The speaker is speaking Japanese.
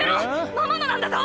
ママのなんだぞ！